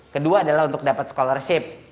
kedua adalah untuk dapat scholarship